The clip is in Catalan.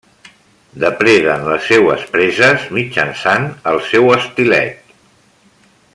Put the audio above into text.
Depreden les seues preses mitjançant el seu estilet.